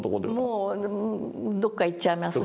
もうどっか行っちゃいますね。